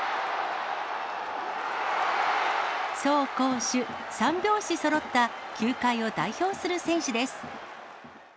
走攻守３拍子そろった球界を代表する選手です。